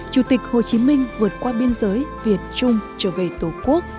chủ tịch hồ chí minh vượt qua biên giới việt trung trở về tổ quốc